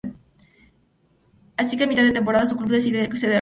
Así que a mitad de temporada su club decide cederlo.